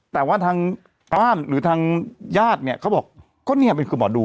แต่ว่าทางบ้านหรือทางญาติเนี่ยเขาบอกก็เนี่ยมันคือหมอดู